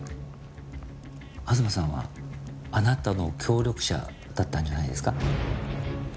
東さんはあなたの協力者だったんじゃないですか？